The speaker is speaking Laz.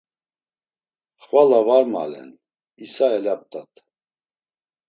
Xvala var malen, isa elaptat.